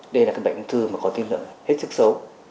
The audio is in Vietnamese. đây là các bệnh ung thư mà có tiên đựng hết sức xấu